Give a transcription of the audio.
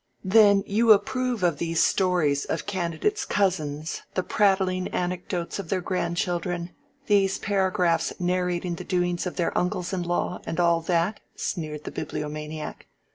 "Then you approve of these stories of candidates' cousins, the prattling anecdotes of their grandchildren, these paragraphs narrating the doings of their uncles in law, and all that?" sneered the Bibliomaniac.